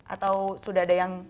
atau sudah ada yang